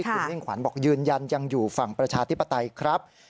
คุณมิ่งขวัญบอกยืนยันยังอยู่ฝั่งประชาธิปไตยครับ